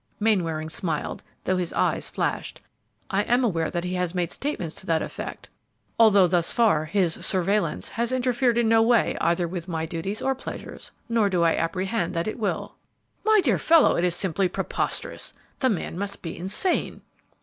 Mainwaring smiled, though his eyes flashed. "I am aware that he has made statements to that effect, although, thus far, his 'surveillance' has interfered in no way either with my duties or pleasures, nor do I apprehend that it will." "My dear fellow, it is simply preposterous! The man must be insane."